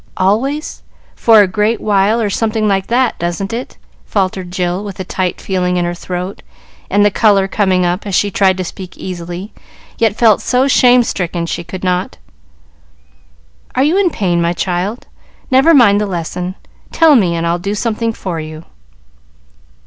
"Always for a great while or something like that; doesn't it?" faltered Jill, with a tight feeling in her throat, and the color coming up, as she tried to speak easily, yet felt so shame stricken she could not. "Are you in pain, my child? Never mind the lesson; tell me, and I'll do something for you."